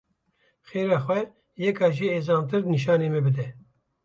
Xêra xwe, yeka jê ezantir nîşanî min bide.